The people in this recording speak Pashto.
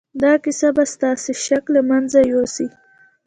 دا کیسه به ستاسې شک له منځه یوسي